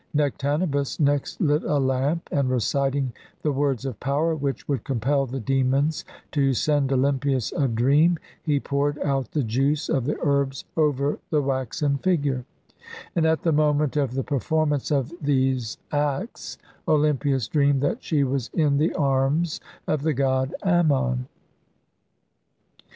Nectanebus next lit a lamp, and, reciting the words of power which would compel the demons to send Olympias a dream, he poured out the juice of the herbs over the waxen figure ; and at the moment of the performance of these acts Olympias dreamed that she was in the arms of the god Ammon.